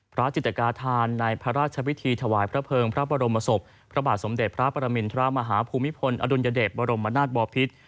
จิตกาธานในพระราชพิธีถวายพระเภิงพระบรมศพพระบาทสมเด็จพระปรมินทรมาฮภูมิพลอดุลยเดชบรมนาศบอพิษ